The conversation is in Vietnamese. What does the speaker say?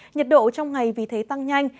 nhiệt độ trong ngày vì thế tăng nhanh